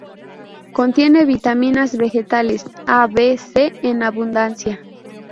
Contiene vitaminas vegetales A, B, C en abundancia.